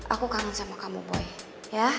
aku kangen sama kamu boy ya